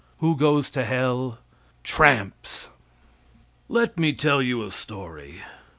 Who goes to hell? Tramps! Let me tell you a story.